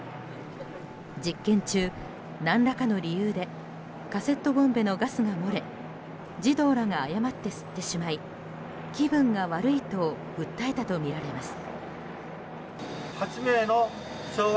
実験中、何らかの理由でカセットボンベのガスが漏れ児童らが誤って吸ってしまい気分が悪いと訴えたとみられます。